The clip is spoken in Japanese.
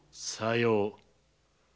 さよう。